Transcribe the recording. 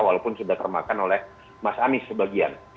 walaupun sudah termakan oleh mas anies sebagian